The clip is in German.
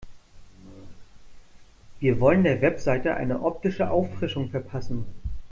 Wir wollen der Website eine optische Auffrischung verpassen.